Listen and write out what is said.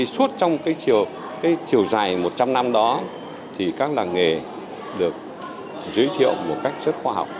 suốt trong chiều dài một trăm linh năm đó thì các làng nghề được giới thiệu một cách rất khoa học